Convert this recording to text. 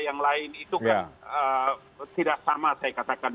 yang lain itu kan tidak sama saya katakan